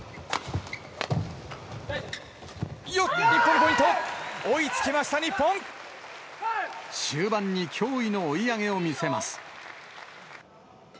日本のポイント、追いつきま終盤に驚異の追い上げを見せます。